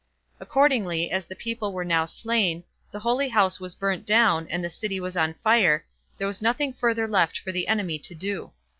Accordingly, as the people were now slain, the holy house was burnt down, and the city was on fire, there was nothing further left for the enemy to do.